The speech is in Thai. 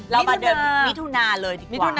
แล้วมาเดินมิดทุนาเลยดีกว่า